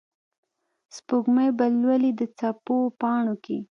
سپوږمۍ به لولي د څپو پاڼو کې